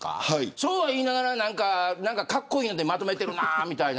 そうは言いながらかっこいいのでまとめているな、みたいな。